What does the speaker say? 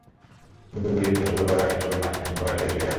দুপুর গড়িয়ে বিকেল শুরুর আগে সবুজ মাঠে ঘাসের ডগা ছুঁয়ে ছুঁয়ে হাঁটি।